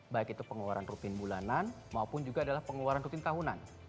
baik itu pengeluaran rutin bulanan maupun juga adalah pengeluaran rutin tahunan